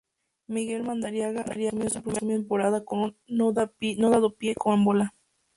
Miguel Madariaga resumió su primera temporada con un "no ha dado pie con bola".